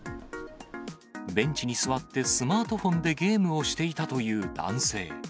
ベンチに座ってスマートフォンでゲームをしていたという男性。